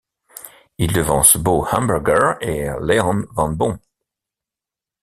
Il devance Bo Hamburger et Léon van Bon.